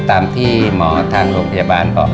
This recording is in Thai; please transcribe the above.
ตามที่หมอทางโรงพยาบาลบอก